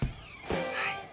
はい。